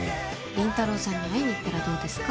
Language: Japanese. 倫太郎さんに会いに行ったらどうですか？